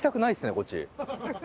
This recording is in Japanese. こっち。